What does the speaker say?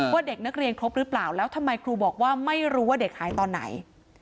เด็กนักเรียนครบหรือเปล่าแล้วทำไมครูบอกว่าไม่รู้ว่าเด็กหายตอนไหน